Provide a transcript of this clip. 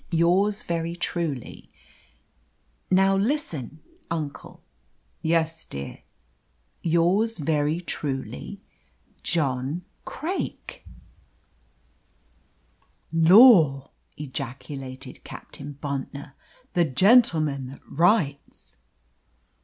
Yours very truly ' "Now listen, uncle." "Yes, dear!" "'Yours very truly, "'JOHN CRAIK.'" "Lor!" ejaculated Captain Bontnor, "the gentleman that writes."